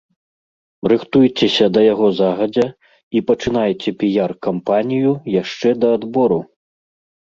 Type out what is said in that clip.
Рыхтуйцеся да яго загадзя і пачынайце піяр-кампанію яшчэ да адбору!